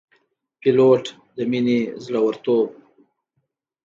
پیلوټ د مینې، زړورت